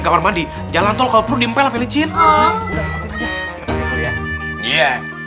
kamar mandi jalan tol kalau dimpel pelicin ya